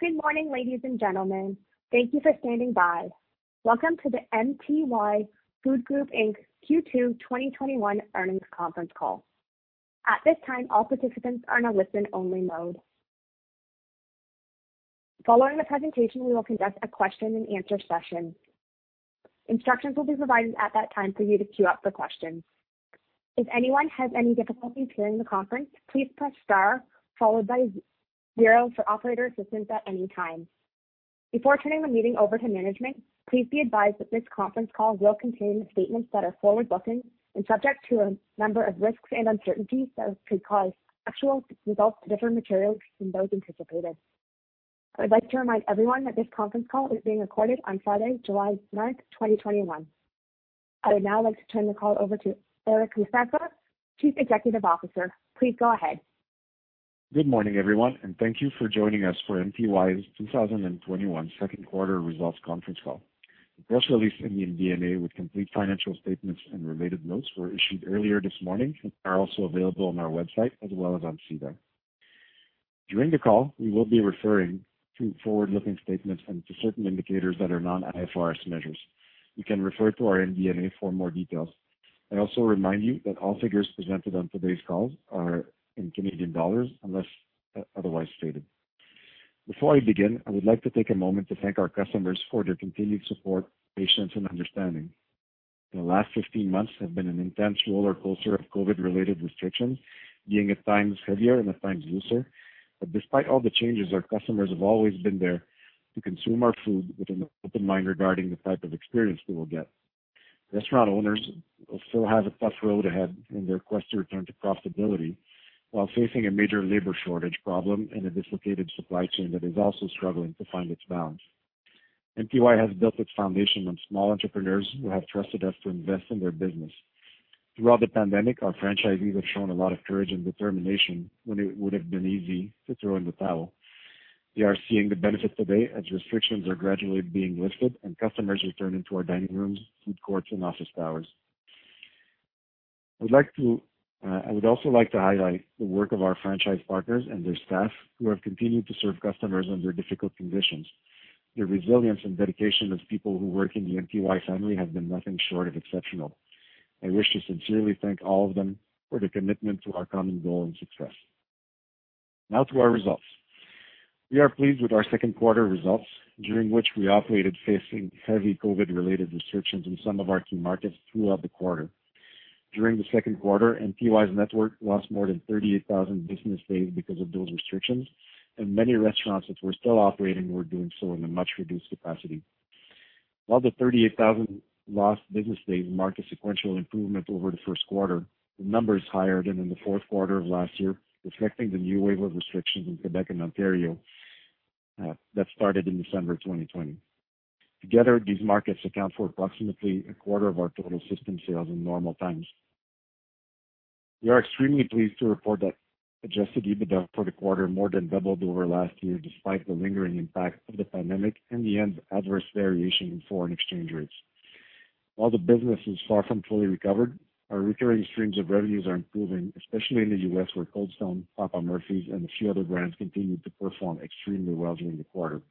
Good morning, ladies and gentlemen. Thank you for standing by. Welcome to the MTY Food Group Inc.'s Q2 2021 earnings conference call. At this time, all participants are in a listen-only mode. Following the presentation, we will conduct a question and answer session. Instructions will be provided at that time for you to queue up the questions. If anyone has any difficulty hearing the conference, please press star zero for operator assistance at any time. Before turning the meeting over to management, please be advised that this conference call will contain statements that are forward-looking and subject to a number of risks and uncertainties that could cause actual results to differ materially from those anticipated. I'd like to remind everyone that this conference call is being recorded on Friday, July 9, 2021. I would now like to turn the call over to Eric Lefebvre, Chief Executive Officer. Please go ahead. Good morning, everyone. Thank you for joining us for MTY's 2021 Q2 results conference call. The press release and the MD&A with complete financial statements and related notes were issued earlier this morning and are also available on our website as well as on SEDAR. During the call, we will be referring to forward-looking statements and to certain indicators that are non-IFRS measures. You can refer to our MD&A for more details. I also remind you that all figures presented on today's call are in Canadian dollars unless otherwise stated. Before I begin, I would like to take a moment to thank our customers for their continued support, patience, and understanding. The last 15 months have been an intense roller coaster of COVID-related restrictions, being at times heavier and at times looser. Despite all the changes, our customers have always been there to consume our food with an open mind regarding the type of experience they will get. Restaurant owners still have a tough road ahead in their quest to return to profitability while facing a major labor shortage problem and a dislocated supply chain that is also struggling to find its balance. MTY has built its foundation on small entrepreneurs who have trusted us to invest in their business. Throughout the pandemic, our franchisees have shown a lot of courage and determination when it would have been easy to throw in the towel. They are seeing the benefit today as restrictions are gradually being lifted and customers return to our dining rooms, food courts, and office towers. I would also like to highlight the work of our franchise partners and their staff who have continued to serve customers under difficult conditions. The resilience and dedication of people who work in the MTY family have been nothing short of exceptional. I wish to sincerely thank all of them for their commitment to our common goal and success. To our results. We are pleased with our second quarter results, during which we operated facing heavy COVID-related restrictions in some of our key markets throughout the quarter. During the second quarter, MTY's network lost more than 38,000 business days because of those restrictions, and many restaurants that were still operating were doing so in a much reduced capacity. While the 38,000 lost business days marked a sequential improvement over the first quarter, the number is higher than in the fourth quarter of last year, reflecting the new wave of restrictions in Quebec and Ontario that started in December 2020. Together, these markets account for approximately a quarter of our total system sales in normal times. We are extremely pleased to report that adjusted EBITDA for the quarter more than doubled over last year, despite the lingering impact of the pandemic and the adverse variation in foreign exchange rates. While the business is far from fully recovered, our recurring streams of revenues are improving, especially in the U.S., where Cold Stone, Papa Murphy's, and a few other brands continued to perform extremely well during the quarter.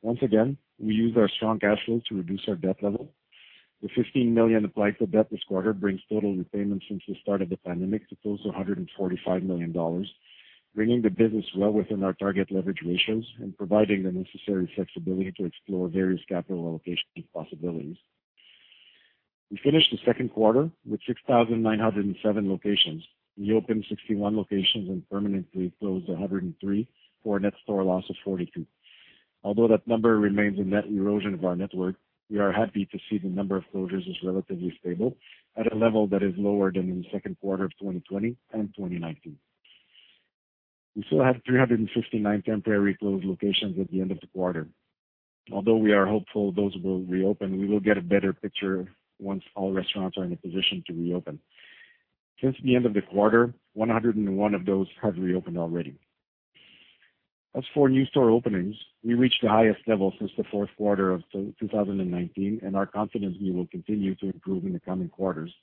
Once again, we used our strong cash flow to reduce our debt level. The 15 million applied to debt this quarter brings total repayments since the start of the pandemic to close to 145 million dollars, bringing the business well within our target leverage ratios and providing the necessary flexibility to explore various capital allocation possibilities. We finished the second quarter with 6,907 locations. We opened 61 locations and permanently closed 103 for a net store loss of 42. Although that number remains a net erosion of our network, we are happy to see the number of closures is relatively stable at a level that is lower than in the second quarter of 2020 and 2019. We still have 369 temporarily closed locations at the end of the quarter. Although we are hopeful those will reopen, we will get a better picture once all restaurants are in a position to reopen. Since the end of the quarter, 101 of those have reopened already. As for new store openings, we reached the highest level since the fourth quarter of 2019, and are confident we will continue to improve in the coming quarters.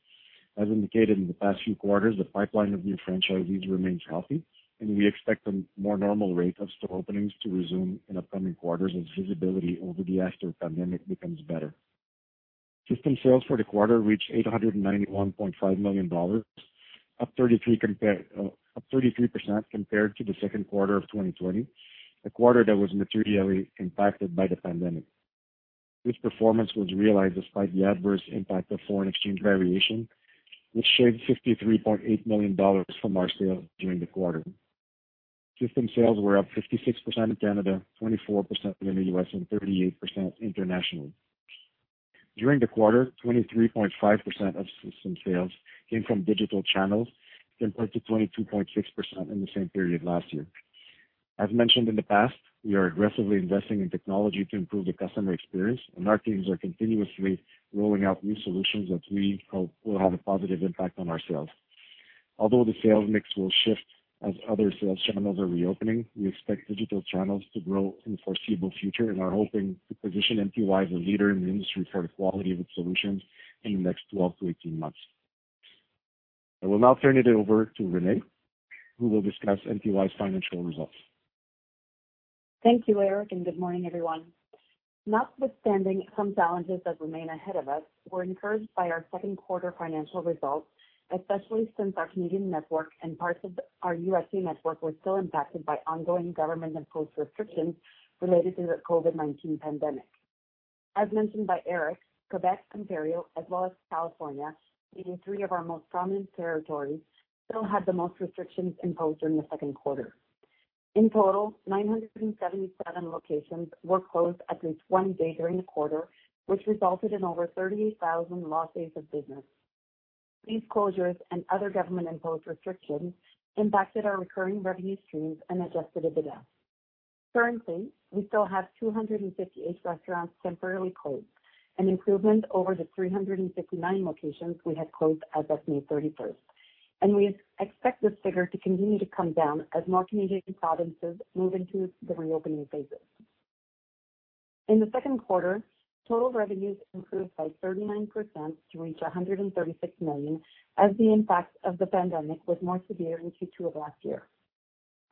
As indicated in the past few quarters, the pipeline of new franchisees remains healthy, and we expect a more normal rate of store openings to resume in upcoming quarters as visibility over the after effects of the pandemic becomes better. System sales for the quarter reached 891.5 million dollars, up 33% compared to the second quarter of 2020, a quarter that was materially impacted by the pandemic. This performance was realized despite the adverse impact of foreign exchange variation, which shaved 53.8 million dollars from our sales during the quarter. System sales were up 56% in Canada, 24% in the U.S., and 38% internationally. During the quarter, 23.5% of system sales came from digital channels, compared to 22.6% in the same period last year. As mentioned in the past, we are aggressively investing in technology to improve the customer experience, and our teams are continuously rolling out new solutions that we hope will have a positive impact on our sales. Although the sales mix will shift as other sales channels are reopening, we expect digital channels to grow in the foreseeable future and are hoping to position MTY as a leader in the industry for the quality of its solutions in the next 12 to 18 months. I will now turn it over to Renée, who will discuss MTY's financial results. Thank you, Eric. Good morning, everyone. Notwithstanding some challenges that remain ahead of us, we're encouraged by our second quarter financial results, especially since our Canadian network and parts of our U.S. network were still impacted by ongoing government-imposed restrictions related to the COVID-19 pandemic. As mentioned by Eric, Quebec, Ontario, as well as California, being three of our most prominent territories, still had the most restrictions imposed during the second quarter. In total, 977 locations were closed at least one day during the quarter, which resulted in over 38,000 lost days of business. These closures and other government-imposed restrictions impacted our recurring revenue streams and adjusted EBITDA. Currently, we still have 258 restaurants temporarily closed, an improvement over the 369 locations we had closed as of May 31st, and we expect this figure to continue to come down as more Canadian provinces move into the reopening phases. In the second quarter, total revenues improved by 39% to reach 136 million, as the impact of the pandemic was more severe in Q2 of last year.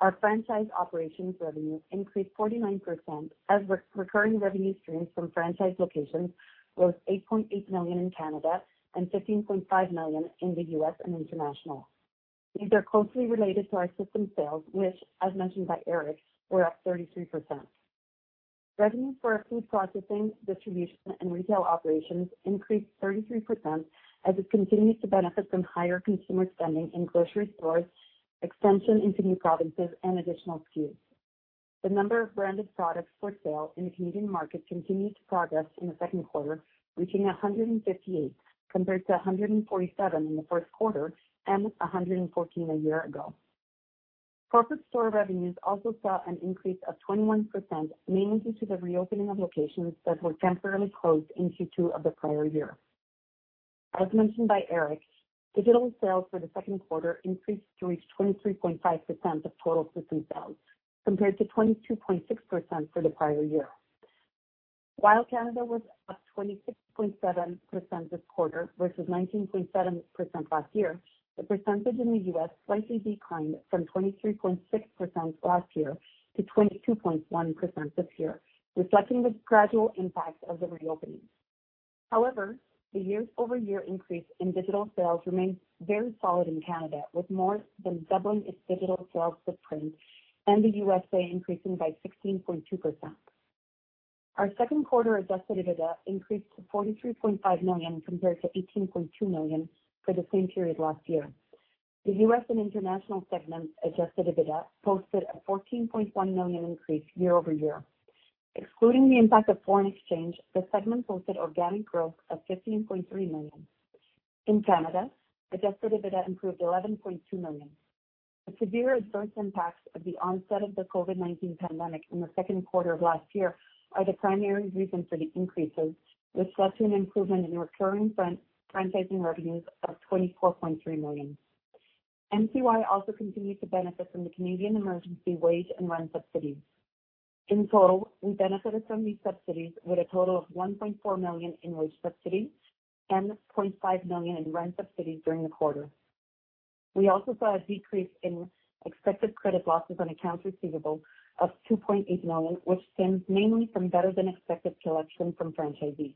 Our franchise operations revenue increased 49% as recurring revenue streams from franchise locations rose 8.8 million in Canada and 15.5 million in the U.S. and international. These are closely related to our system sales, which, as mentioned by Eric, were up 33%. Revenue for our food processing, distribution, and retail operations increased 33% as it continues to benefit from higher consumer spending in grocery stores, expansion into new provinces, and additional SKUs. The number of branded products for sale in Canadian markets continued to progress in the second quarter, reaching 158 compared to 147 in the first quarter and 114 a year ago. Corporate store revenues also saw an increase of 21%, mainly due to the reopening of locations that were temporarily closed in Q2 of the prior year. As mentioned by Eric, digital sales for the second quarter increased to reach 23.5% of total system sales, compared to 22.6% for the prior year. While Canada was up 26.7% this quarter versus 19.7% last year, the percentage in the U.S. slightly declined from 23.6% last year to 22.1% this year, reflecting the gradual impact of the reopening. However, the year-over-year increase in digital sales remains very solid in Canada, with more than doubling its digital sales footprint, and the U.S.A. increasing by 16.2%. Our second quarter adjusted EBITDA increased to 43.5 million compared to 18.2 million for the same period last year. The U.S. and international segment's adjusted EBITDA posted a 14.1 million increase year-over-year. Excluding the impact of foreign exchange, the segment posted organic growth of 15.3 million. In Canada, adjusted EBITDA improved 11.2 million. The severe adverse impacts of the onset of the COVID-19 pandemic in the Q2 of last year are the primary reason for the increases, reflecting an improvement in recurring franchising revenues of 24.3 million. MTY also continued to benefit from the Canadian emergency wage and rent subsidies. In total, we benefited from these subsidies with a total of 1.4 million in wage subsidies and 0.5 million in rent subsidies during the quarter. We also saw a decrease in expected credit losses on accounts receivable of 2.8 million, which stems mainly from better-than-expected collection from franchisees.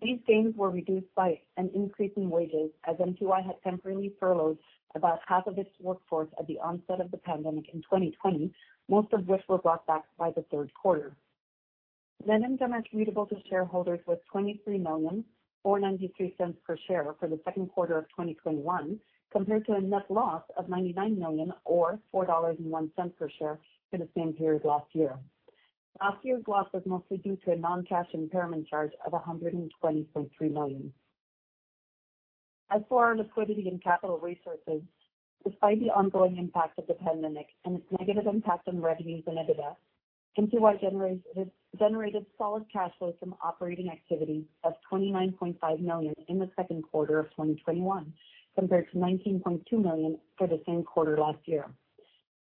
These gains were reduced by an increase in wages as MTY had temporarily furloughed about half of its workforce at the onset of the pandemic in 2020, most of which were brought back by the third quarter. Net income attributable to shareholders was 23 million, or 0.93 per share for the second quarter of 2021, compared to a net loss of 99 million or 4.01 dollars per share for the same period last year. Last year's loss was mostly due to a non-cash impairment charge of 120.3 million. As for our liquidity and capital resources, despite the ongoing impact of the pandemic and its negative impact on revenues and EBITDA, MTY has generated solid cash flow from operating activities of 29.5 million in the second quarter of 2021, compared to 19.2 million for the same quarter last year.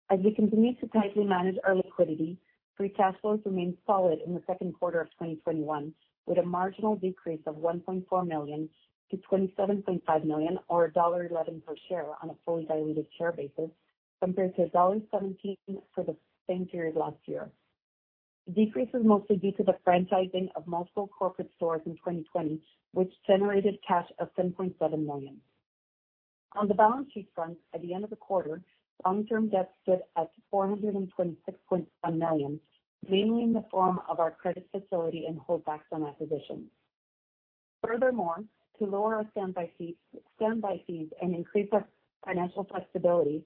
As we continue to tightly manage our liquidity, free cash flow has remained solid in Q2 2021 with a marginal decrease of 1.4 million-27.5 million or dollar 1.11 per share on a fully diluted share basis, compared to dollar 1.17 for the same period last year. The decrease is mostly due to the franchising of multiple corporate stores in 2020, which generated cash of 7.7 million. On the balance sheet front, at the end of the quarter, long-term debt stood at 426.1 million, mainly in the form of our credit facility and holdbacks on acquisitions. Furthermore, to lower our standby fees and increase our financial flexibility,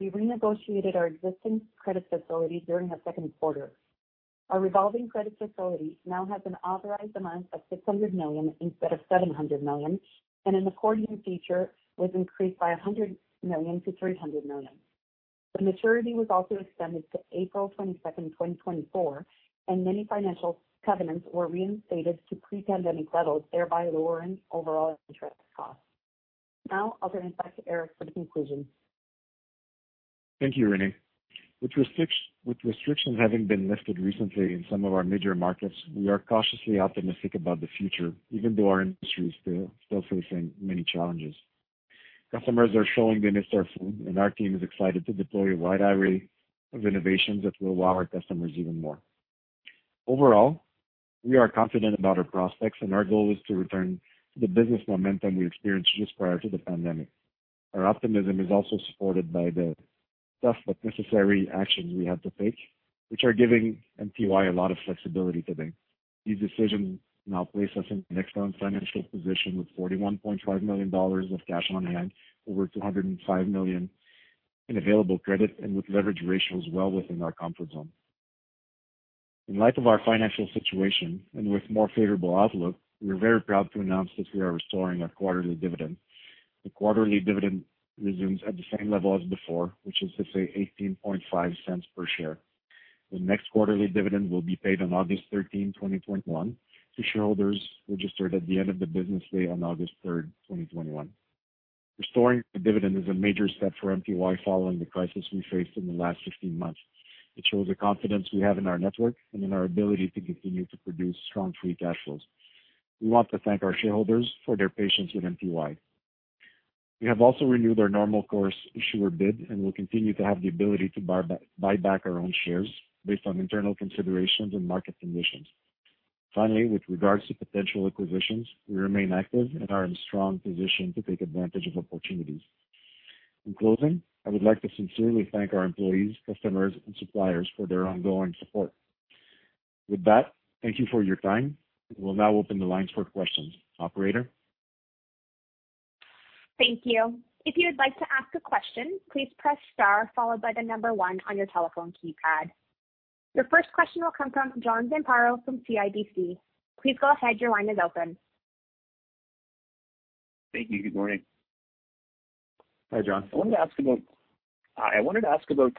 we renegotiated our existing credit facility during Q2. Our revolving credit facility now has an authorized amount of 600 million instead of 700 million, and an accordion feature was increased by 100 million-300 million. The maturity was also extended to April 22nd, 2024, and many financial covenants were reinstated to pre-pandemic levels, thereby lowering overall interest costs. Now, I'll turn it back to Eric for the conclusion. Thank you, Renée. With restrictions having been lifted recently in some of our major markets, we are cautiously optimistic about the future, even though our industry is still facing many challenges. Customers are showing the need for food, and our team is excited to deploy a wide array of innovations that will wow our customers even more. Overall, we are confident about our prospects, and our goal is to return to the business momentum we experienced just prior to the pandemic. Our optimism is also supported by the tough but necessary actions we had to take, which are giving MTY a lot of flexibility today. These decisions now place us in an excellent financial position with 41.5 million dollars of cash on hand, over 205 million in available credit, and with leverage ratios well within our comfort zone. In light of our financial situation, and with a more favorable outlook, we are very proud to announce that we are restoring our quarterly dividend. The quarterly dividend resumes at the same level as before, which is to say 0.185 per share. The next quarterly dividend will be paid on August 13, 2021, to shareholders registered at the end of the business day on August 3, 2021. Restoring the dividend is a major step for MTY following the crisis we faced in the last 15 months. It shows the confidence we have in our network and in our ability to continue to produce strong free cash flows. We want to thank our shareholders for their patience with MTY. We have also renewed our normal course issuer bid and will continue to have the ability to buy back our own shares based on internal considerations and market conditions. Finally, with regards to potential acquisitions, we remain active and are in a strong position to take advantage of opportunities. In closing, I would like to sincerely thank our employees, customers, and suppliers for their ongoing support. With that, thank you for your time. We will now open the lines for questions. Operator? Thank you. Your first question will come from Jonathan Carter from CIBC. Please go ahead, your line is open. Thank you. Good morning. Hi, Jon. I wanted to ask about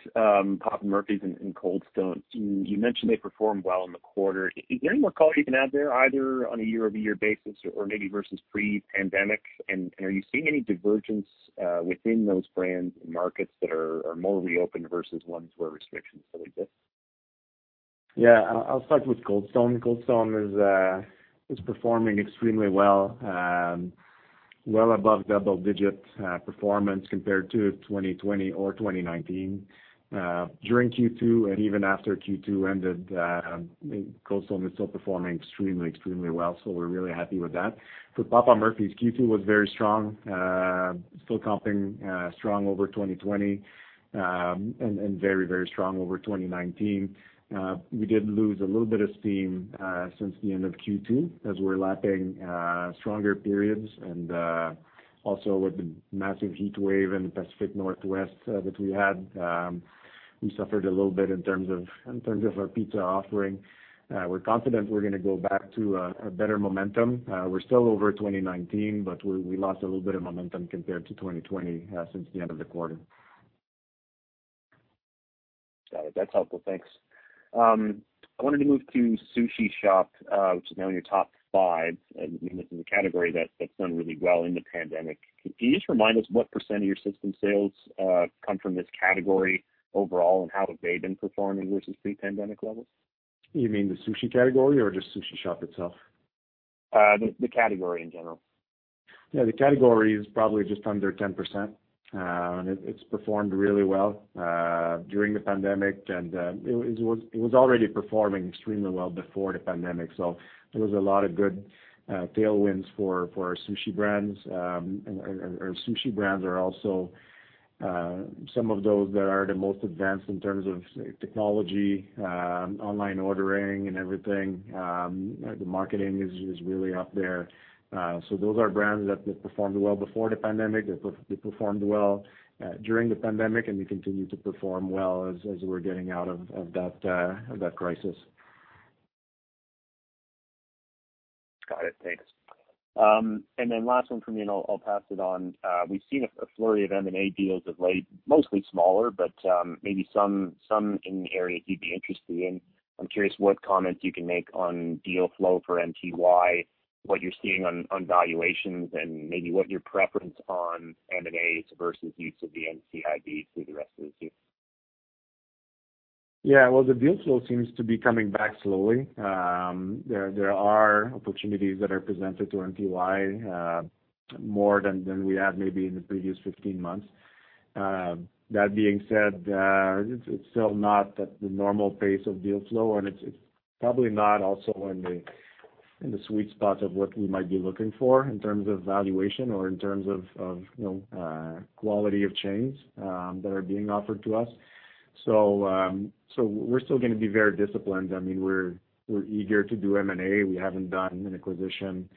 Papa Murphy's and Cold Stone. You mentioned they performed well in the quarter. Is there any call you can add there either on a year-over-year basis or maybe versus pre-pandemic? Are you seeing any divergence within those brands in markets that are more reopened versus ones where restrictions still exist? Yeah, I'll start with Cold Stone. Cold Stone is performing extremely well, above double-digit performance compared to 2020 or 2019. During Q2 and even after Q2 ended, Cold Stone is still performing extremely well, so we're really happy with that. For Papa Murphy's, Q2 was very strong. Still comping strong over 2020, and very strong over 2019. We did lose a little bit of steam since the end of Q2 as we're lapping stronger periods, and also with the massive heat wave in the Pacific Northwest that we had, we suffered a little bit in terms of our pizza offering. We're confident we're going to go back to a better momentum. We're still over 2019, but we lost a little bit of momentum compared to 2020 since the end of the quarter. Got it. That's helpful. Thanks. I wanted to move to Sushi Shop, which is now in your top five, and it's a category that's done really well in the pandemic. Can you just remind us what % of your system sales come from this category overall, and how have they been performing versus pre-pandemic levels? You mean the Sushi category or just Sushi Shop itself? The category in general. Yeah, the category is probably just under 10%. It's performed really well during the pandemic. It was already performing extremely well before the pandemic. There was a lot of good tailwinds for our Sushi brands. Our Sushi brands are also some of those that are the most advanced in terms of technology, online ordering, and everything. The marketing is just really up there. Those are brands that performed well before the pandemic, they performed well during the pandemic, and they continue to perform well as we're getting out of that crisis. Got it. Thanks. Last one from me. I'll pass it on. We've seen a flurry of M&A deals of late, mostly smaller. Maybe some in the areas you'd be interested in. I'm curious what comments you can make on deal flow for MTY, what you're seeing on valuations, and maybe what your preference on M&As versus use of the NCIB through the rest of this year. Yeah, well, the deal flow seems to be coming back slowly. There are opportunities that are presented to MTY more than we had maybe in the previous 15 months. That being said, it's still not at the normal pace of deal flow, and it's probably not also in the sweet spot of what we might be looking for in terms of valuation or in terms of quality of chains that are being offered to us. We're still going to be very disciplined. We're eager to do M&A. We haven't done an acquisition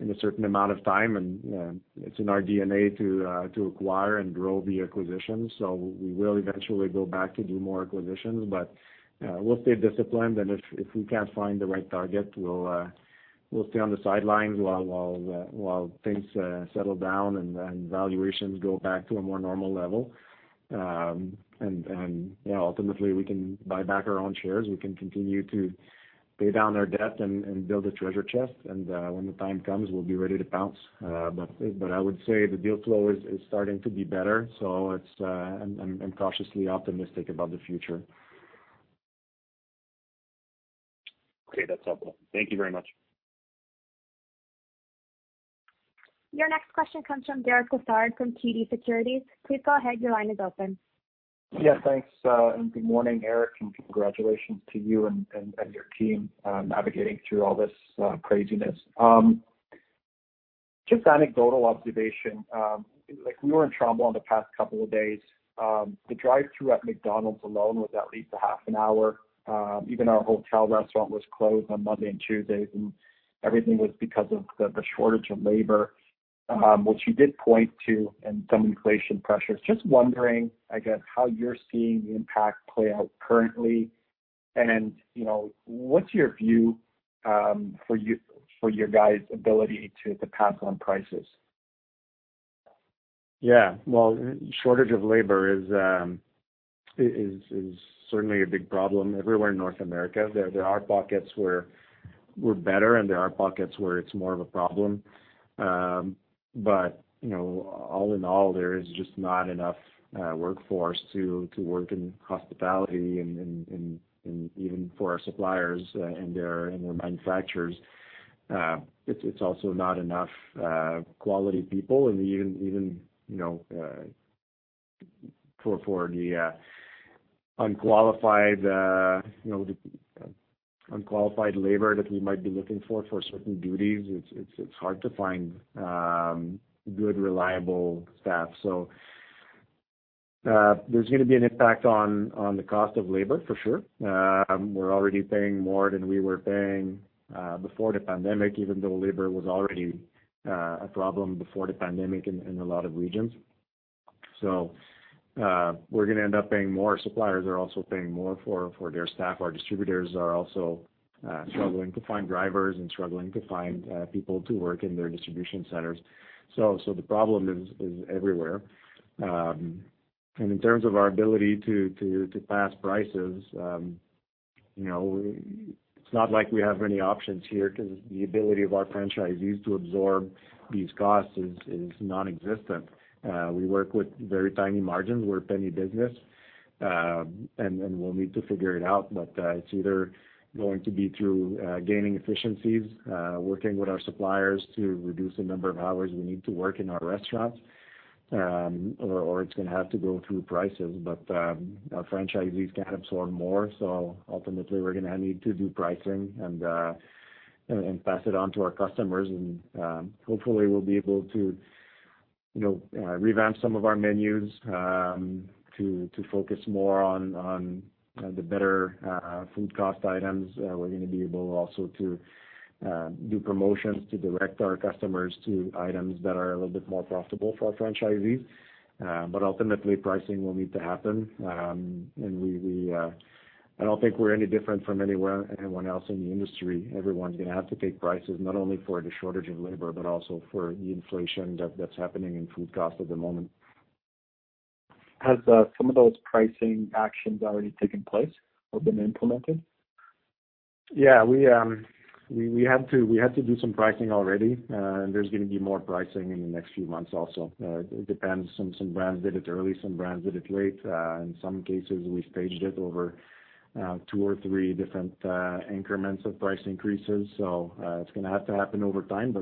in a certain amount of time, and it's in our DNA to acquire and grow via acquisitions. We will eventually go back to do more acquisitions, but we'll stay disciplined, and if we can't find the right target, we'll stay on the sidelines while things settle down and valuations go back to a more normal level. Yeah, ultimately, we can buy back our own shares. We can continue to pay down our debt and build a treasure chest, and when the time comes, we'll be ready to pounce. I would say the deal flow is starting to be better, so I'm cautiously optimistic about the future. Great. That's helpful. Thank you very much. Your next question comes from Derek Lessard from TD Securities. Yeah, thanks. Good morning, Eric, and congratulations to you and your team on navigating through all this craziness. Just anecdotal observation. We were in Toronto the past couple of days. The drive-through at McDonald's alone was at least a half an hour. Even our hotel restaurant was closed on Monday and Tuesday, and everything was because of the shortage of labor, which you did point to, and some inflation pressures. Just wondering, again, how you're seeing the impact play out currently, and what's your view for your guys' ability to pass on prices? Yeah. Well, shortage of labor is certainly a big problem everywhere in North America. There are pockets where we're better, and there are pockets where it's more of a problem. All in all, there is just not enough workforce to work in hospitality and even for our suppliers and their manufacturers. It's also not enough quality people and even for the unqualified labor that we might be looking for certain duties, it's hard to find good, reliable staff. There's going to be an impact on the cost of labor, for sure. We're already paying more than we were paying before the pandemic, even though labor was already a problem before the pandemic in a lot of regions. We're going to end up paying more. Suppliers are also paying more for their staff. Our distributors are also struggling to find drivers and struggling to find people to work in their distribution centers. The problem is everywhere. In terms of our ability to pass prices, it's not like we have many options here because the ability of our franchisees to absorb these costs is nonexistent. We work with very tiny margins. We're a penny business. We'll need to figure it out, but it's either going to be through gaining efficiencies, working with our suppliers to reduce the number of hours we need to work in our restaurants, or it's going to have to go through prices. Our franchisees can absorb more, so ultimately, we're going to need to do pricing and pass it on to our customers. Hopefully, we'll be able to revamp some of our menus, to focus more on the better food cost items. We're going to be able also to do promotions to direct our customers to items that are a little bit more profitable for our franchisees. Ultimately, pricing will need to happen. I don't think we're any different from anyone else in the industry. Everyone's going to have to take prices, not only for the shortage of labor, but also for the inflation that's happening in food cost at the moment. Has some of those pricing actions already taken place or been implemented? Yeah. We have to do some pricing already, there's going to be more pricing in the next few months also. It depends. Some brands did it early, some brands did it late. In some cases, we've staged it over two or three different increments of price increases. It's going to have to happen over time,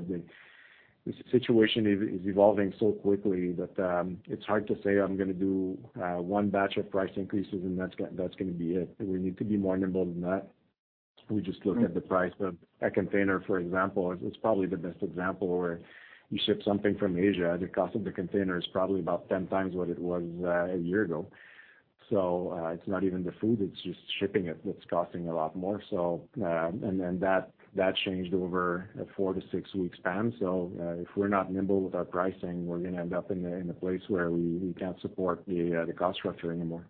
the situation is evolving so quickly that it's hard to say I'm going to do one batch of price increases and that's going to be it. We need to be more nimble than that. If we just look at the price of a container, for example. It's probably the best example where you ship something from Asia, the cost of the container is probably about 10 times what it was a year ago. It's not even the food, it's just shipping it that's costing a lot more. That changed over a four to six week span. If we're not nimble with our pricing, we're going to end up in a place where we can't support the cost structure anymore.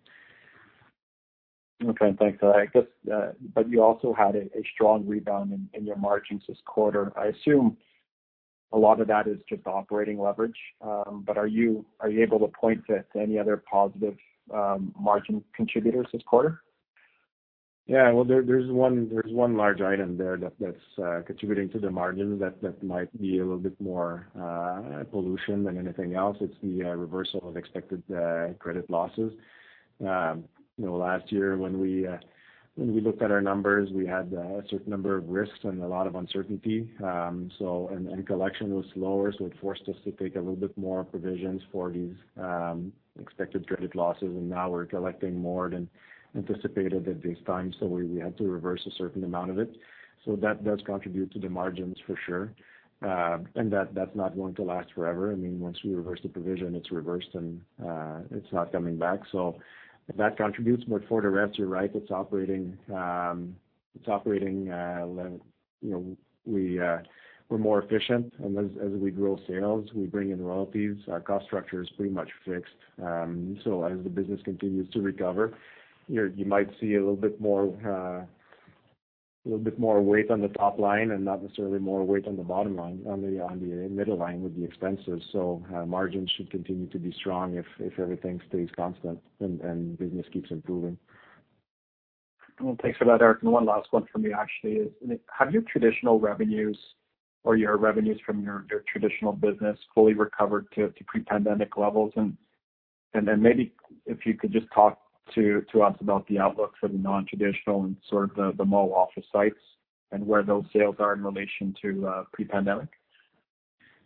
Okay, thanks for that. You also had a strong rebound in your margins this quarter. I assume a lot of that is just operating leverage. Are you able to point to any other positive margin contributors this quarter? Yeah. Well, there's one large item there that's contributing to the margin that might be a little bit more pollution than anything else. It's the reversal of expected credit losses. Last year when we looked at our numbers, we had a certain number of risks and a lot of uncertainty. Collection was slower, it forced us to take a little bit more provisions for these expected credit losses. Now we're collecting more than anticipated at this time, we had to reverse a certain amount of it. That does contribute to the margins for sure. That's not going to last forever. Once we reverse the provision, it's reversed, and it's not coming back. That contributes. For the rest, you're right. It's operating. We're more efficient, and as we grow sales, we bring in royalties. Our cost structure is pretty much fixed. As the business continues to recover, you might see a little bit more weight on the top line and not necessarily more weight on the bottom line, on the middle line with the expenses. Margins should continue to be strong if everything stays constant and business keeps improving. Well, thanks for that, Eric. One last one from me, actually. Have your traditional revenues or your revenues from your traditional business fully recovered to pre-pandemic levels and then maybe if you could just talk to us about the outlook for the non-traditional and sort of the mall office sites and where those sales are in relation to pre-pandemic?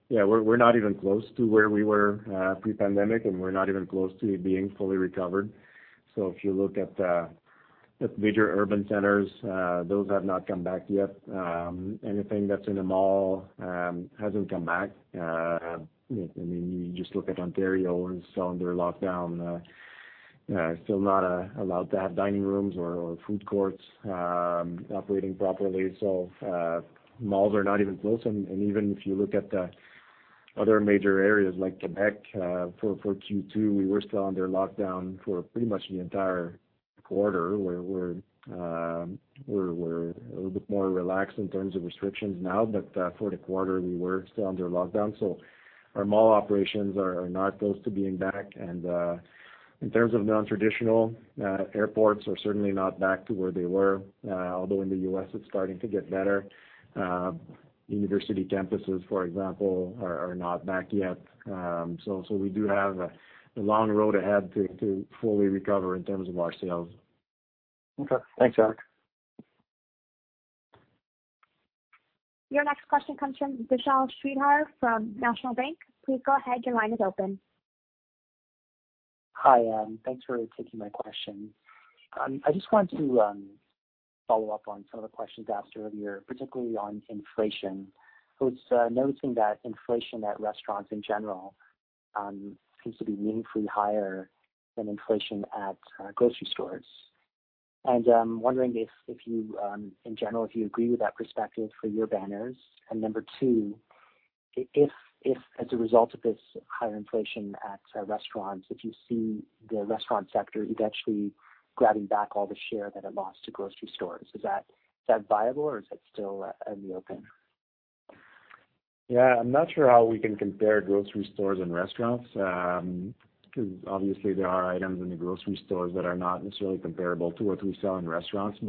We're not even close to where we were pre-pandemic, and we're not even close to being fully recovered. If you look at the major urban centers, those have not come back yet. Anything that's in a mall hasn't come back. You just look at Ontario and still under lockdown. Still not allowed to have dining rooms or food courts operating properly. Malls are not even close, and even if you look at the other major areas like Quebec, for Q2, we were still under lockdown for pretty much the entire quarter, where we're a little bit more relaxed in terms of restrictions now. For the quarter, we were still under lockdown. Our mall operations are not close to being back, and in terms of non-traditional, airports are certainly not back to where they were. Although in the U.S., it's starting to get better. University campuses, for example, are not back yet. We do have a long road ahead to fully recover in terms of our sales. Okay. Thanks, Eric. Your next question comes from Vishal Shreedhar from National Bank. Please go ahead. Your line is open. Hi. Thanks for taking my question. I just wanted to follow up on some of the questions asked earlier, particularly on inflation. I was noticing that inflation at restaurants in general seems to be meaningfully higher than inflation at grocery stores. I'm wondering if, in general, you agree with that perspective for your banners. Number two, if as a result of this higher inflation at restaurants, if you see the restaurant sector eventually grabbing back all the share that it lost to grocery stores, is that viable or is it still in the open? Yeah, I'm not sure how we can compare grocery stores and restaurants, because obviously there are items in the grocery stores that are not necessarily comparable to what we sell in restaurants.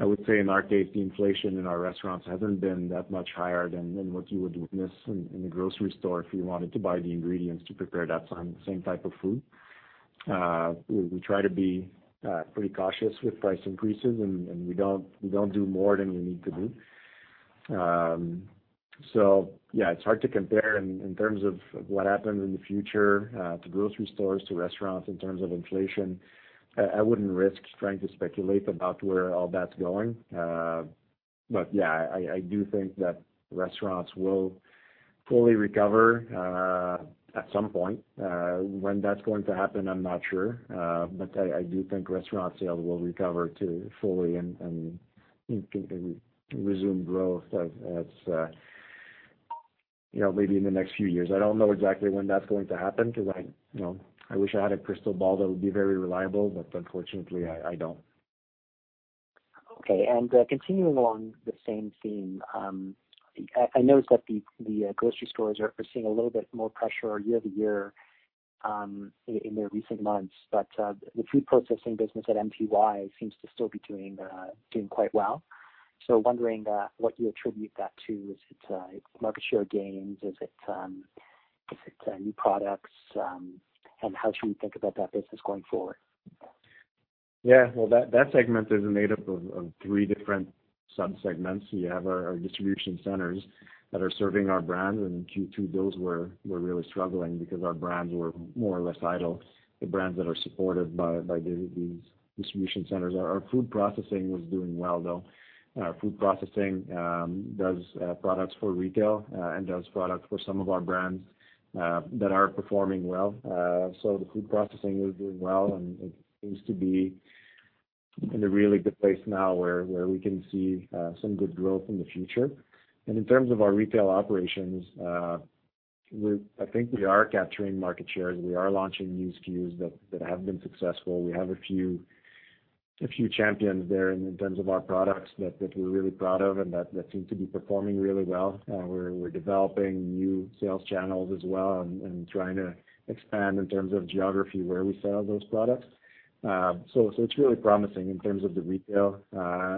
I would say in our case, the inflation in our restaurants hasn't been that much higher than what you would witness in the grocery store if you wanted to buy the ingredients to prepare that same type of food. We try to be pretty cautious with price increases, and we don't do more than we need to do. Yeah, it's hard to compare in terms of what happens in the future to grocery stores, to restaurants in terms of inflation. I wouldn't risk trying to speculate about where all that's going. Yeah, I do think that restaurants will fully recover at some point. When that's going to happen, I'm not sure. I do think restaurant sales will recover to fully and resume growth at maybe in the next few years. I don't know exactly when that's going to happen because I wish I had a crystal ball that would be very reliable, but unfortunately, I don't. Okay, continuing along the same theme, I noticed that the grocery stores are seeing a little bit more pressure year-over-year in their recent months. The food processing business at MTY seems to still be doing quite well. Wondering what you attribute that to? Is it market share gains? Is it new products? How should we think about that business going forward? Well, that segment is made up of three different sub-segments. We have our distribution centers that are serving our brands. In Q2, those were really struggling because our brands were more or less idle, the brands that are supported by these distribution centers. Our food processing was doing well, though. Our food processing does products for retail and does products for some of our brands that are performing well. The food processing is doing well and it seems to be in a really good place now where we can see some good growth in the future. In terms of our retail operations, I think we are capturing market shares. We are launching new SKUs that have been successful. We have a few champions there in terms of our products that we're really proud of and that seem to be performing really well. We're developing new sales channels as well and trying to expand in terms of geography, where we sell those products. It's really promising in terms of the retail,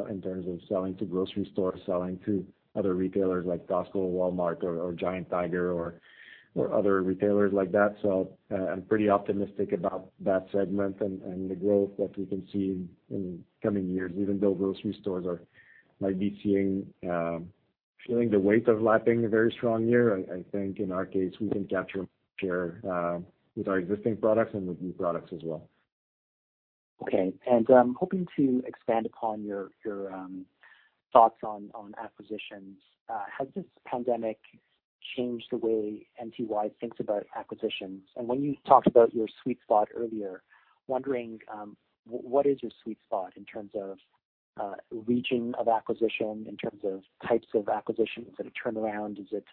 in terms of selling to grocery stores, selling to other retailers like Costco, Walmart or Giant Tiger or other retailers like that. I'm pretty optimistic about that segment and the growth that we can see in coming years, even though grocery stores might be feeling the weight of lapping a very strong year. I think in our case, we can capture share with our existing products and with new products as well. Okay. I'm hoping to expand upon your thoughts on acquisitions. Has this pandemic changed the way MTY thinks about acquisitions? When you talked about your sweet spot earlier, wondering what is your sweet spot in terms of region of acquisition, in terms of types of acquisitions? Is it a turnaround? Is it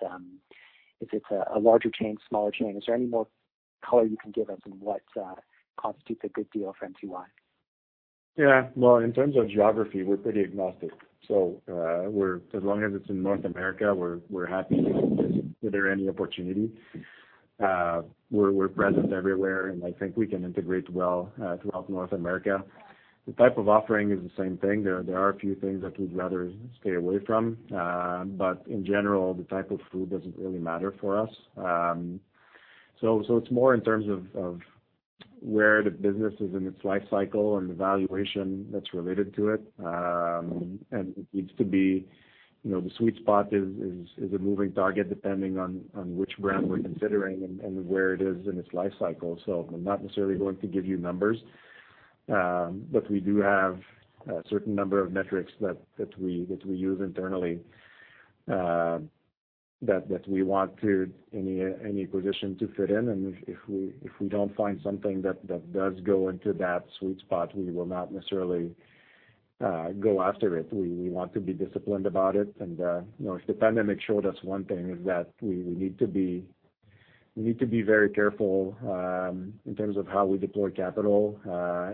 a larger chain, smaller chain? Is there any more color you can give us on what constitutes a good deal for MTY? Well, in terms of geography, we're pretty agnostic. As long as it's in North America, we're happy to look at any opportunity. We're present everywhere, and I think we can integrate well throughout North America. The type of offering is the same thing. There are a few things that we'd rather stay away from. In general, the type of food doesn't really matter for us. It's more in terms of where the business is in its life cycle and the valuation that's related to it. The sweet spot is a moving target depending on which brand we're considering and where it is in its life cycle. I'm not necessarily going to give you numbers. We do have a certain number of metrics that we use internally that we want any position to fit in. If we don't find something that does go into that sweet spot, we will not necessarily go after it. We want to be disciplined about it. If the pandemic showed us one thing, is that we need to be very careful in terms of how we deploy capital,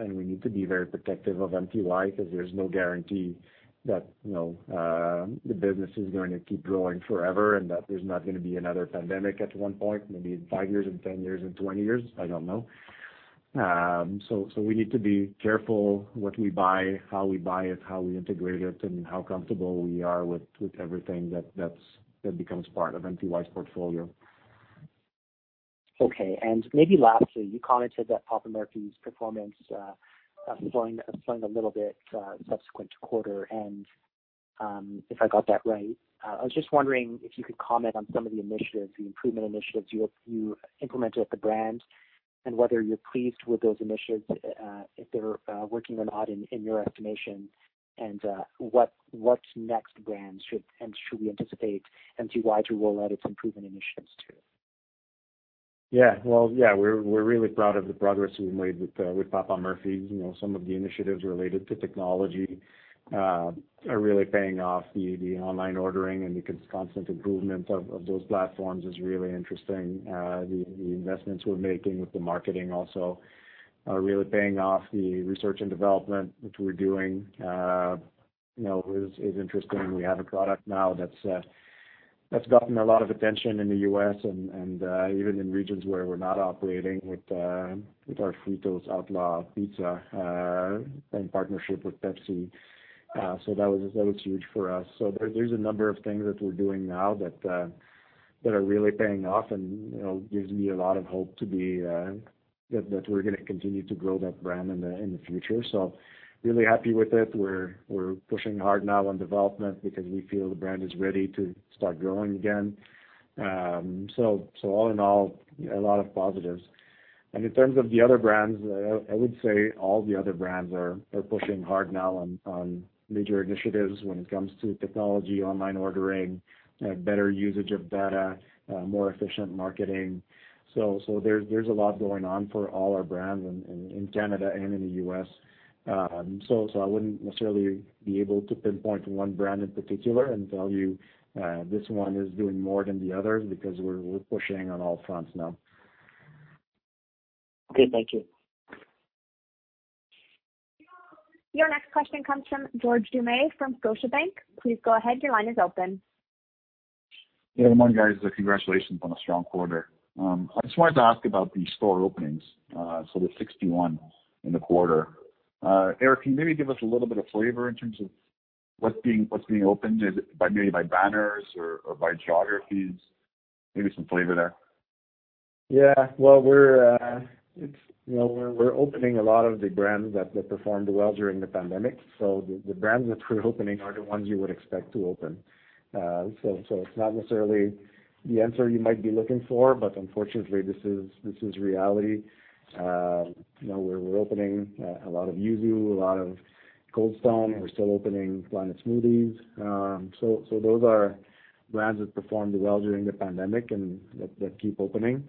and we need to be very protective of MTY because there's no guarantee that the business is going to keep growing forever and that there's not going to be another pandemic at one point, maybe in five years, in 10 years, in 20 years, I don't know. We need to be careful what we buy, how we buy it, how we integrate it, and how comfortable we are with everything that becomes part of MTY's portfolio. Okay, and maybe lastly, you commented that Papa Murphy's performance has grown a little bit subsequent quarter, and if I got that right, I was just wondering if you could comment on some of the initiatives, the improvement initiatives you implemented at the brand and whether you're pleased with those initiatives, if they're working or not in your estimation, and what next brands should we anticipate MTY to roll out its improvement initiatives to? Yeah. Well, yeah, we're really proud of the progress we've made with Papa Murphy's. Some of the initiatives related to technology are really paying off. The online ordering and the constant improvement of those platforms is really interesting. The investments we're making with the marketing also are really paying off. The research and development, which we're doing is interesting. We have a product now that's gotten a lot of attention in the U.S. and even in regions where we're not operating with our Fritos Outlaw Pizza in partnership with Pepsi. That was huge for us. There's a number of things that we're doing now that are really paying off and gives me a lot of hope that we're going to continue to build that brand in the future. Really happy with it. We're pushing hard now on development because we feel the brand is ready to start growing again. All in all, a lot of positives. In terms of the other brands, I would say all the other brands are pushing hard now on major initiatives when it comes to technology, online ordering, better usage of data, more efficient marketing. There's a lot going on for all our brands in Canada and in the U.S. I wouldn't necessarily be able to pinpoint one brand in particular and tell you this one is doing more than the other because we're pushing on all fronts now. Okay. Thank you. Your next question comes from George Doumet from Scotiabank. Please go ahead. Good morning, guys, congratulations on a strong quarter. I just wanted to ask about the store openings, the 61 in the quarter. Eric, can you maybe give us a little bit of flavor in terms of what's being opened, maybe by banners or by geographies? Maybe some flavor there. Well, we're opening a lot of the brands that performed well during the pandemic. The brands that we're opening are the ones you would expect to open. It's not necessarily the answer you might be looking for, but unfortunately, this is reality. We're opening a lot of Yuzu, a lot of Cold Stone. We're still opening Planet Smoothies. Those are brands that performed well during the pandemic and that keep opening.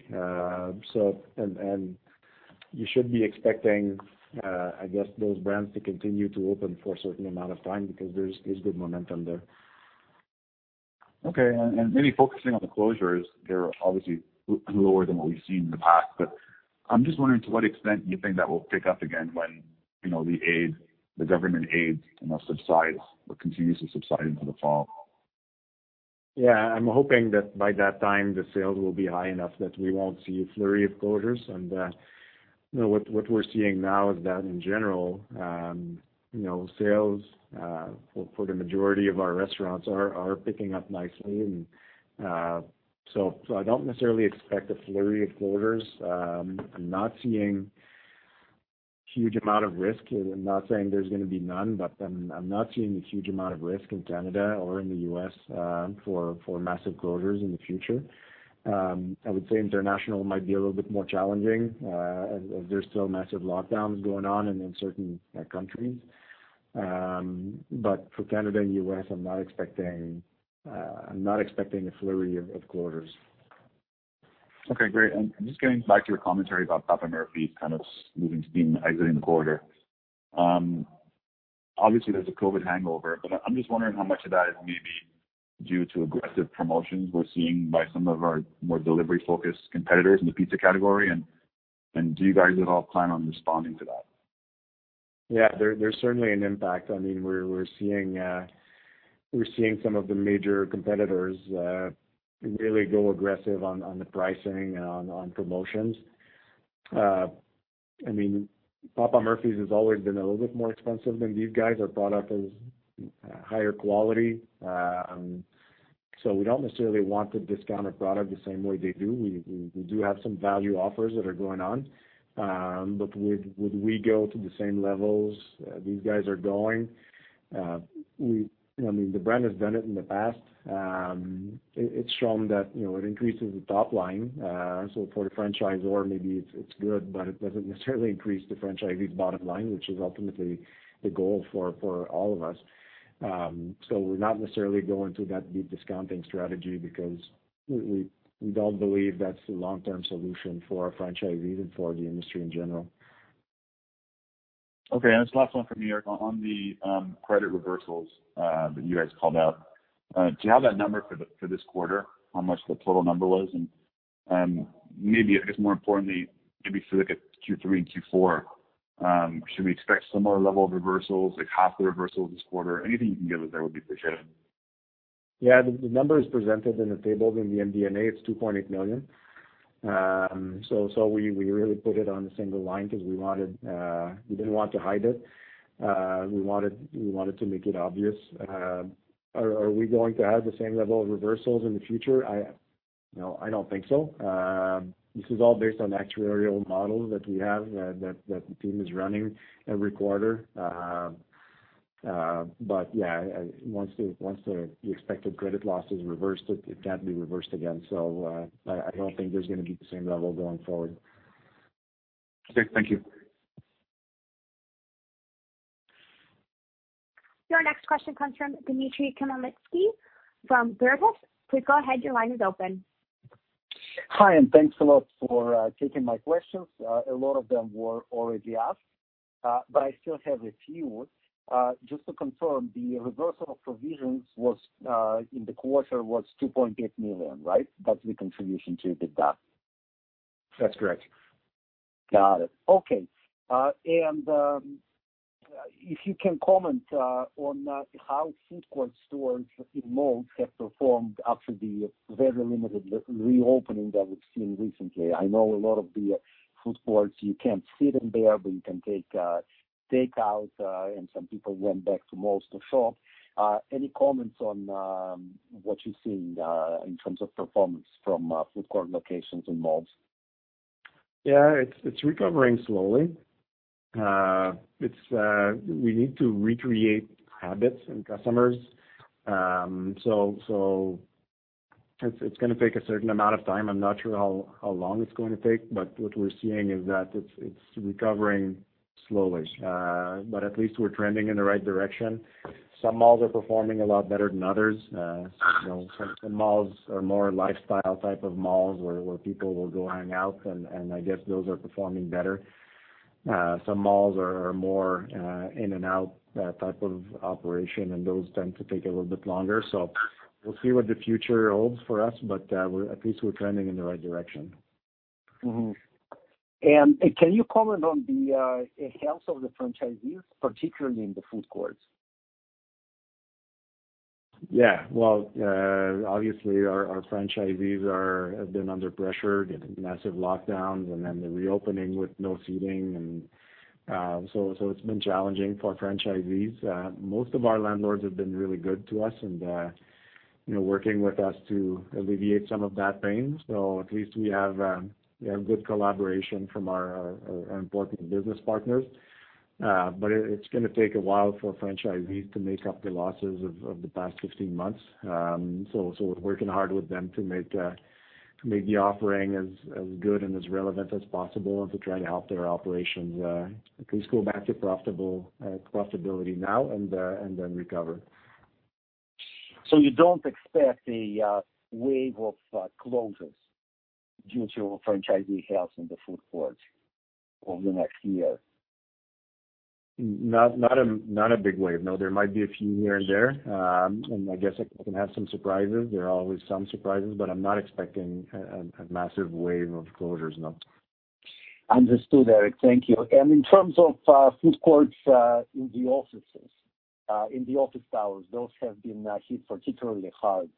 You should be expecting, I guess, those brands to continue to open for a certain amount of time because there's good momentum there. Okay. Maybe focusing on the closures, they're obviously lower than what we've seen in the past, but I'm just wondering to what extent you think that will pick up again when the government aids subside or continue to subside into the fall? Yeah. I'm hoping that by that time, the sales will be high enough that we won't see a flurry of closures. What we're seeing now is that in general sales, for the majority of our restaurants, are picking up nicely. I don't necessarily expect a flurry of closures. I'm not seeing a huge amount of risk. I'm not saying there's going to be none, but I'm not seeing a huge amount of risk in Canada or in the U.S. for massive closures in the future. I would say international might be a little bit more challenging as there's still massive lockdowns going on and in certain countries. For Canada and the U.S., I'm not expecting a flurry of closures. Okay, great. Just getting back to your commentary about Papa Murphy's kind of smooth and exiting quarter. Obviously, there's a COVID hangover, I'm just wondering how much of that is maybe due to aggressive promotions we're seeing by some of our more delivery-focused competitors in the pizza category, and do you guys at all plan on responding to that? Yeah, there's certainly an impact. We're seeing some of the major competitors really go aggressive on the pricing and on promotions. Papa Murphy's has always been a little bit more expensive than these guys, are thought of as higher quality. We don't necessarily want to discount a product the same way they do. We do have some value offers that are going on. Would we go to the same levels these guys are going? The brand has done it in the past. It's shown that it increases the top line. For a franchisor, maybe it's good, but it doesn't necessarily increase the franchisee bottom line, which is ultimately the goal for all of us. We're not necessarily going to that deep discounting strategy because we don't believe that's the long-term solution for our franchisees and for the industry in general. Okay. This last one from me, Eric, on the credit reversals that you guys called out. Do you have that number for this quarter, how much the total number was? Maybe I guess more importantly, maybe for like Q3 and Q4, should we expect similar level reversals, like half the reversals this quarter? Anything you can give us there would be appreciated. Yeah. The number is presented in the table in the MD&A, it's 2.8 million. We really put it on a single line because we didn't want to hide it. We wanted to make it obvious. Are we going to have the same level of reversals in the future? No, I don't think so. This is all based on actuarial models that we have, that the team is running every quarter. Once the expected credit loss is reversed, it can't be reversed again. I don't think there's going to be the same level going forward. Okay. Thank you. Your next question comes from Dmitry Khmelnitsky from Veritas. Please go ahead, your line is open. Hi, thanks a lot for taking my questions. A lot of them were already asked, I still have a few. Just to confirm, the reversal of provisions in the quarter was 2.8 million, right? That's the contribution to EBITDA. That's correct. Got it. Okay. If you can comment on how food court stores in malls have performed after the very limited reopening that we've seen recently. I know a lot of the food courts, you can't sit in there, but you can take out, and some people went back to malls to shop. Any comments on what you're seeing in terms of performance from food court locations in malls? Yeah. It's recovering slowly. We need to recreate habits and customers. It's going to take a certain amount of time. I'm not sure how long it's going to take, but what we're seeing is that it's recovering slowly. At least we're trending in the right direction. Some malls are performing a lot better than others. Some malls are more lifestyle type of malls where people will go hang out, and I guess those are performing better. Some malls are more in and out type of operation, and those tend to take a little bit longer. We'll see what the future holds for us, but at least we're trending in the right direction. Mm-hmm. Can you comment on the health of the franchisees, particularly in the food courts? Yeah. Well, obviously our franchisees have been under pressure, massive lockdowns and then the reopening with no seating. It's been challenging for franchisees. Most of our landlords have been really good to us and working with us to alleviate some of that pain. At least we have good collaboration from our important business partners. It's going to take a while for franchisees to make up the losses of the past 15 months. We're working hard with them to make the offering as good and as relevant as possible, and to try and help their operations at least go back to profitability now and then recover. You don't expect a wave of closures due to franchisee health in the food courts over the next year? Not a big wave, no. There might be a few here and there. I guess it can have some surprises. There are always some surprises, but I'm not expecting a massive wave of closures, no. Understood, Eric. Thank you. In terms of food courts in the office towers, those have been hit particularly hard.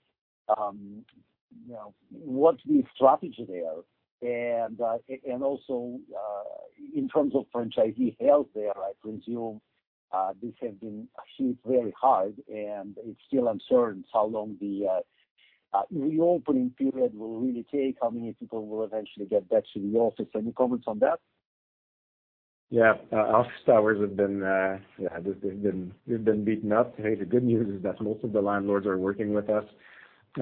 What's the strategy there? Also, in terms of franchisee health there, I presume this has been hit very hard, and it's still uncertain how long the reopening period will really take, how many people will eventually get back to the office. Any comments on that? Yeah. Office towers, they've been beaten up. The good news is that most of the landlords are working with us,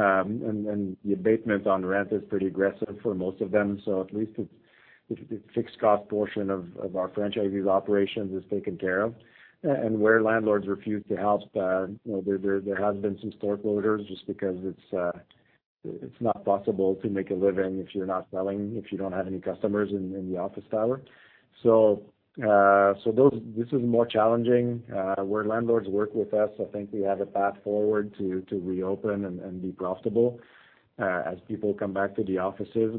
and the abatement on rent is pretty aggressive for most of them. At least the fixed cost portion of our franchisees' operations is taken care of. Where landlords refuse to help, there have been some store closures just because it's not possible to make a living if you're not selling, if you don't have any customers in the office tower. This is more challenging. Where landlords work with us, I think we have a path forward to reopen and be profitable as people come back to the offices.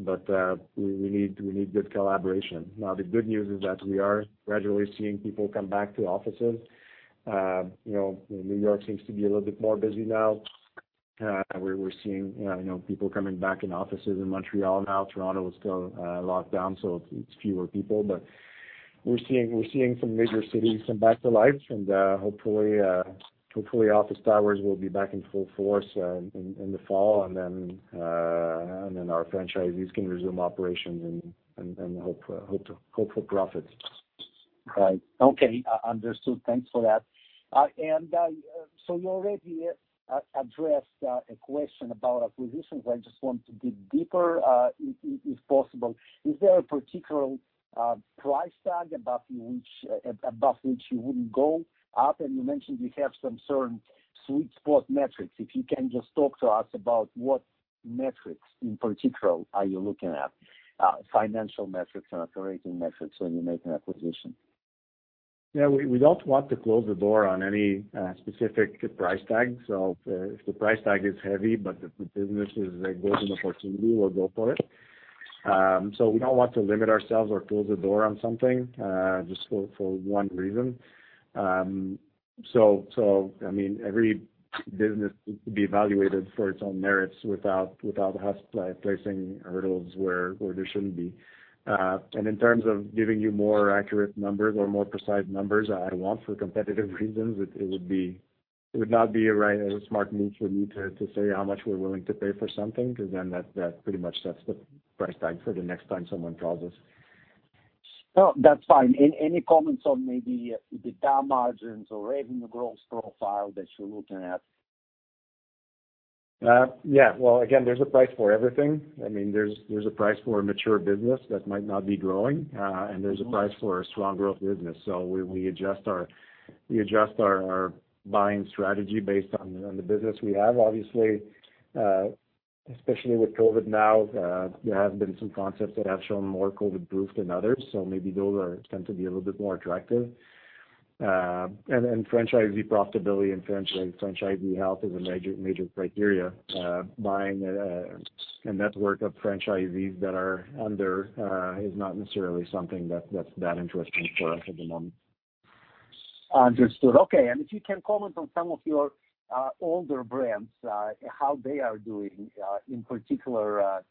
We need good collaboration. Now, the good news is that we are gradually seeing people come back to offices. New York seems to be a little bit more busy now. We're seeing people coming back in offices in Montreal now. Toronto is still on lockdown, so it's fewer people, but we're seeing some major cities come back to life, and hopefully office towers will be back in full force in the fall. Our franchisees can resume operations and hope for profits. Right. Okay. Understood. Thanks for that. You already addressed a question about acquisitions. I just want to dig deeper, if possible. Is there a particular price tag above which you wouldn't go up? You mentioned you have some certain sweet spot metrics. If you can just talk to us about what metrics in particular are you looking at, financial metrics and operating metrics when you make an acquisition? Yeah. We don't want to close the door on any specific price tag. If the price tag is heavy, but if the business is a golden opportunity, we'll go for it. We don't want to limit ourselves or close the door on something, just for one reason. Every business needs to be evaluated for its own merits without us placing hurdles where there shouldn't be. In terms of giving you more accurate numbers or more precise numbers, I won't for competitive reasons. It would not be a smart move for me to say how much we're willing to pay for something, because then that pretty much sets the price tag for the next time someone calls us. No, that's fine. Any comments on maybe the EBITDA margins or even the growth profile that you're looking at? Well, again, there's a price for everything. There's a price for a mature business that might not be growing, and there's a price for a strong growth business. We adjust our buying strategy based on the business we have. Obviously, especially with COVID now, there have been some concepts that have shown more COVID proof than others, so maybe those tend to be a little bit more attractive. Franchisee profitability and franchisee health is a major criteria. Buying a network of franchisees that are under is not necessarily something that's that interesting for us at the moment. Understood. Okay, if you can comment on some of your older brands, how they are doing, in particular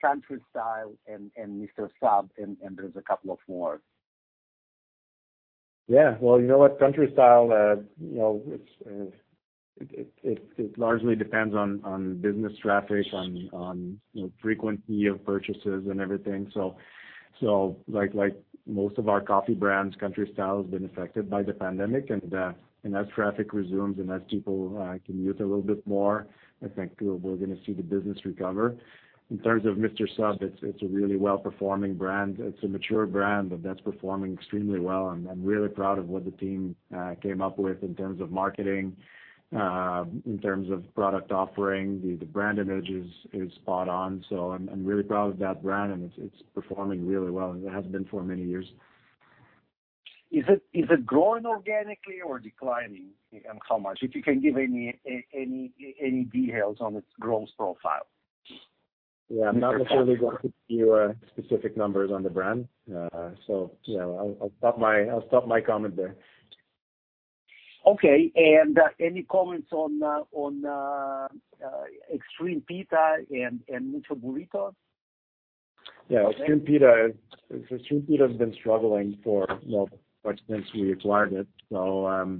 Country Style and Mr. Sub and there's a couple of more. Well, Country Style, it largely depends on business traffic, on frequency of purchases and everything. Like most of our coffee brands, Country Style has been affected by the pandemic. As traffic resumes and as people can meet a little bit more, I think we're going to see the business recover. In terms of Mr. Sub, it's a really well-performing brand. It's a mature brand, but that's performing extremely well, and I'm really proud of what the team came up with in terms of marketing, in terms of product offering. The brand image is spot on. I'm really proud of that brand, and it's performing really well, and it has been for many years. Is it growing organically or declining? How much? If you can give any details on its growth profile. Yeah. I'm not necessarily going to give you specific numbers on the brand. I'll stop my comment there. Okay, any comments on Extreme Pita and Mucho Burrito? Yeah. Extreme Pita has been struggling for quite some time since we acquired it. The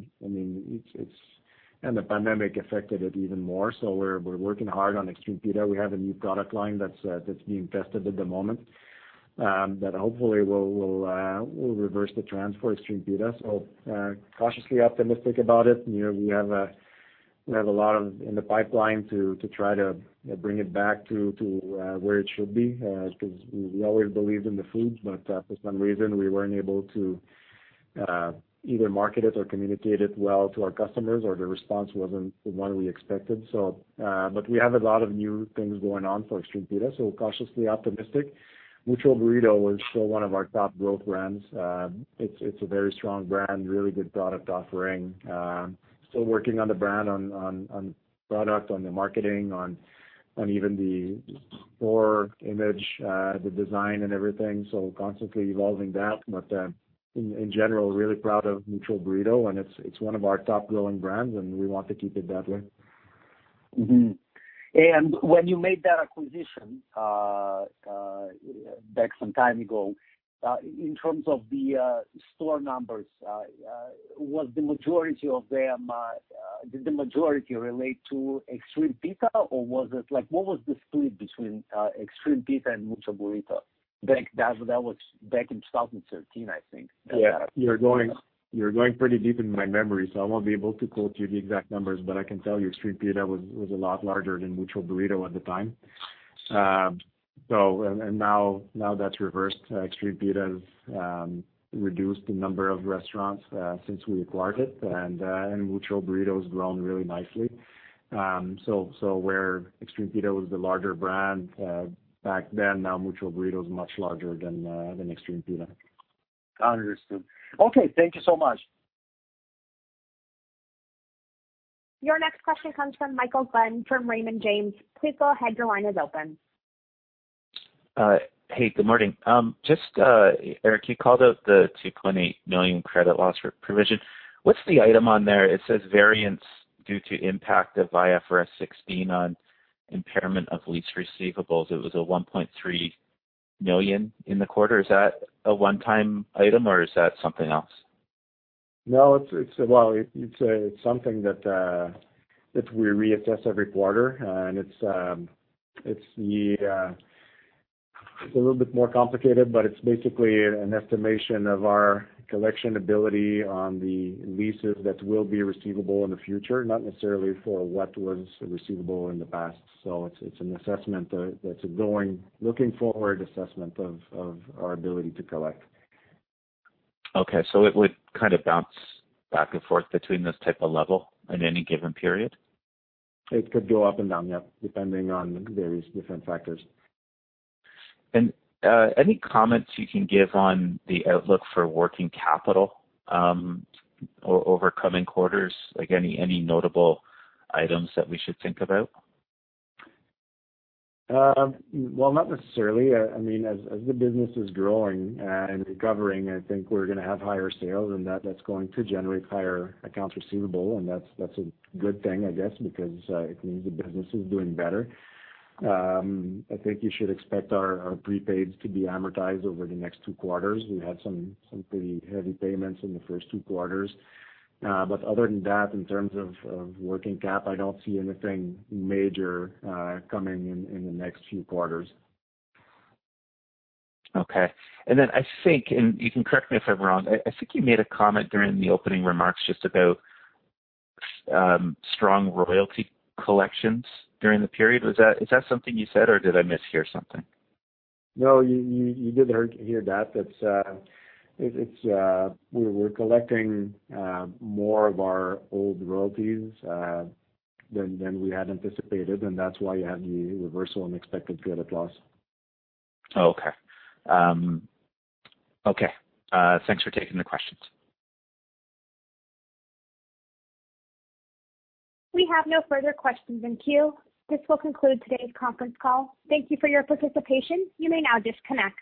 pandemic affected it even more. We're working hard on Extreme Pita. We have a new product line that's being tested at the moment, that hopefully will reverse the trend for Extreme Pita. Cautiously optimistic about it. We have a lot in the pipeline to try to bring it back to where it should be, because we've always believed in the food, but for some reason, we weren't able to either market it or communicate it well to our customers, or the response wasn't the one we expected. We have a lot of new things going on for Extreme Pita, so cautiously optimistic. Mucho Burrito is still one of our top growth brands. It's a very strong brand, really good product offering. Still working on the brand, on product, on the marketing, on even the store image, the design and everything. Constantly evolving that. In general, really proud of Mucho Burrito, and it's one of our top growing brands, and we want to keep it that way. Mm-hmm. When you made that acquisition back some time ago, in terms of the store numbers, did the majority relate to Extreme Pita, or what was the split between Extreme Pita and Mucho Burrito? That was back in 2013, I think. Yeah. You're going pretty deep into my memory, so I won't be able to quote you the exact numbers, but I can tell you Extreme Pita was a lot larger than Mucho Burrito at the time. Now that's reversed. Extreme Pita has reduced the number of restaurants since we acquired it, and Mucho Burrito has grown really nicely. Where Extreme Pita was the larger brand back then, now Mucho Burrito is much larger than Extreme Pita. Understood. Okay, thank you so much. Your next question comes from Michael Glen from Raymond James. Please go ahead, your line is open. Hey, good morning. Eric, you called out the 2.8 million credit loss provision. What's the item on there? It says variance due to impact of IFRS 16 on impairment of lease receivables. It was a 1.3 million in the quarter. Is that a one-time item or is that something else? It's something that we reassess every quarter and it's a little bit more complicated, but it's basically an estimation of our collection ability on the leases that will be receivable in the future, not necessarily for what was receivable in the past. It's an assessment that's a looking forward assessment of our ability to collect. Okay. It would kind of bounce back and forth between this type of level in any given period? It could go up and down, yeah, depending on various different factors. Any comments you can give on the outlook for working capital over coming quarters? Any notable items that we should think about? Not necessarily. As the business is growing and recovering, I think we're going to have higher sales and that's going to generate higher accounts receivable and that's a good thing, I guess, because it means the business is doing better. I think you should expect our prepaids to be amortized over the next two quarters. We had some pretty heavy payments in the first two quarters. Other than that, in terms of working cap, I don't see anything major coming in the next few quarters. Okay. I think, and you can correct me if I'm wrong, I think you made a comment during the opening remarks just about strong royalty collections during the period. Is that something you said or did I mishear something? No, you did hear that. We're collecting more of our old royalties than we had anticipated, and that's why you had the reversal and expected credit loss. Okay. Thanks for taking the questions. We have no further questions in queue. This will conclude today's conference call. Thank you for your participation. You may now disconnect.